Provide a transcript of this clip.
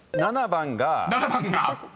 ［７番が］